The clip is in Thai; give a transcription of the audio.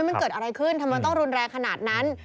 มันเกิดอะไรขึ้นทำไมต้องรุนแรงขนาดนั้น